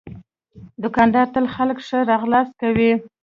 دوکاندار تل خلک ښه راغلاست کوي.